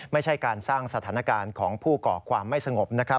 ไม่ใช่การสร้างสถานการณ์ของผู้ก่อความไม่สงบนะครับ